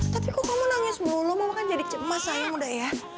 tapi kok kamu nangis mulu mama kan jadi cemas saya muda ya